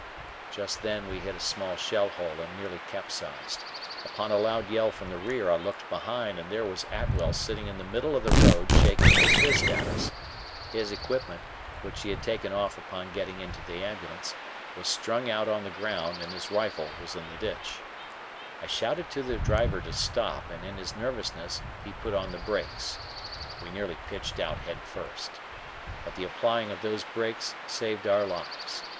Just then we hit a small shell hole and nearly capsized. Upon a loud yell from the rear I looked behind, and there was Atwell sitting in the middle of the road, shaking his fist at us. His equipment, which he had taken off upon getting into the ambulance, was strung out on the ground, and his rifle was in the ditch. I shouted to the driver to stop, and in his nervousness he put on the brakes. We nearly pitched out head first. But the applying of those brakes saved our lives.